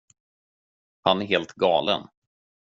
Han är helt galen.